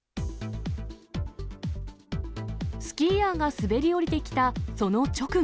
スキーヤーが滑り降りてきたその直後。